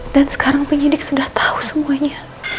dan sekarang penyidik sudah tahu semuanya